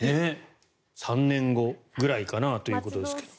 ３年後ぐらいかなということですが。